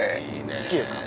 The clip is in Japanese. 好きですか？